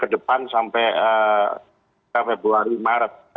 ke depan sampai februari maret